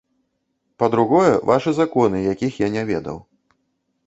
Па-другое, вашы законы, якіх я не ведаў.